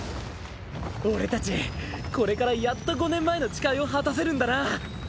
俺たちこれからやっと５年前の誓いを果たせるんだな！